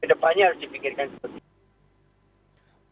kedepannya harus dipikirkan seperti ini